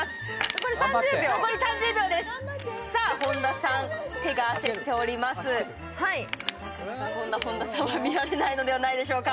こんな本田さんは見られないのではないでしょうか。